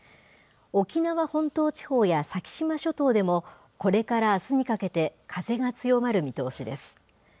沖縄本島地方や先島諸島でも、これからあすにかけて、風が強まる見通しです。